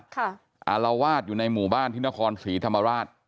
อารวาสอยู่ในหมู่บ้านที่นครศรีธรรมราช